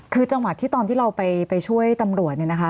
คือจังหวะที่ตอนที่เราไปช่วยตำรวจเนี่ยนะคะ